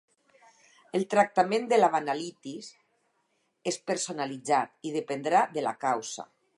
El tractament de la balanitis és personalitzat i dependrà de la causa.